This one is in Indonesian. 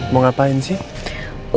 mau ngapain sih